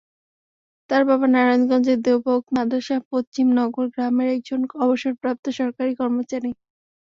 তার বাবা নারায়ণগঞ্জের দেওভোগ মাদ্রাসা পশ্চিম নগর গ্রামের একজন অবসরপ্রাপ্ত সরকারি কর্মচারী।